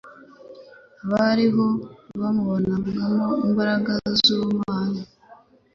abari aho bamubonamo imbaraga y'ubumana.